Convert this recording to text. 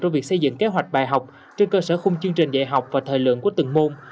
trong việc xây dựng kế hoạch bài học trên cơ sở khung chương trình dạy học và thời lượng của từng môn